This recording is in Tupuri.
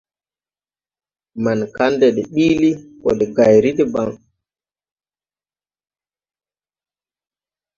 Maŋ Kandɛ de biili, go de gayri debaŋ.